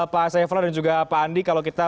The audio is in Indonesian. pak sayang vulo dan juga pak andri kalau kita